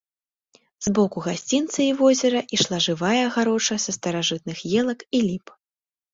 З боку гасцінца і возера ішла жывая агароджа са старажытных елак і ліп.